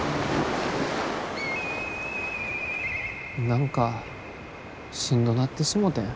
何かしんどなってしもてん。